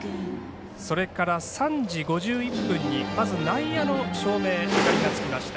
それから３時５１分にまず内野の照明明かりがつきました。